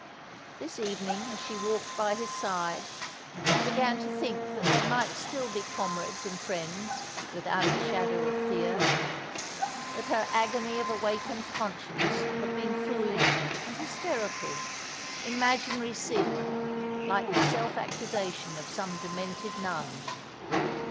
This evening, as she walked by his side, she began to think that they might still be comrades and friends, without the shadow of fear; that her agony of awakened conscience had been foolish and hysterical, imaginary sin, like the self accusation of some demented nun.